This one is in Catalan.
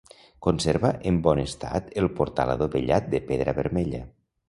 Conserva en bon estat el portal adovellat de pedra vermella.